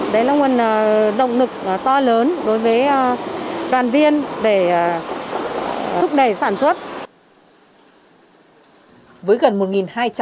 đấy là nguồn động lực to lớn đối với đoàn viên để thúc đẩy sản xuất